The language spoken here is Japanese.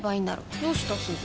どうしたすず？